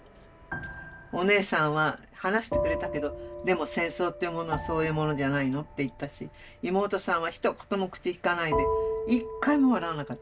お姉さんは話してくれたけどでも戦争というものはそういうものじゃないのって言ったし妹さんはひと言も口きかないで一回も笑わなかった。